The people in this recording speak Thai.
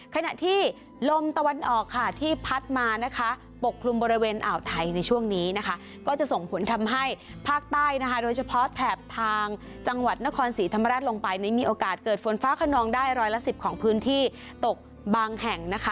ขณะที่ลมตะวันออกค่ะที่พัดมานะคะปกคลุมบริเวณอ่าวไทยในช่วงนี้นะคะก็จะส่งผลทำให้ภาคใต้นะคะโดยเฉพาะแถบทางจังหวัดนครศรีธรรมราชลงไปนี้มีโอกาสเกิดฝนฟ้าขนองได้ร้อยละสิบของพื้นที่ตกบางแห่งนะคะ